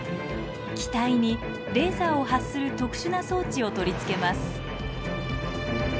機体にレーザーを発する特殊な装置を取り付けます。